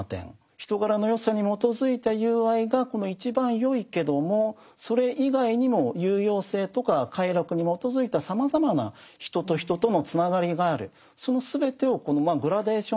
人柄の善さに基づいた友愛が一番よいけどもそれ以外にも有用性とか快楽に基づいたさまざまな人と人とのつながりがある。